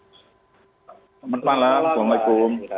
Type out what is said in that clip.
selamat malam assalamualaikum